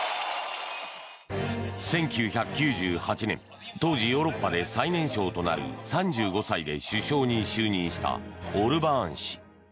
１９９８年、当時ヨーロッパで最年少となる３５歳で首相に就任したオルバーン氏。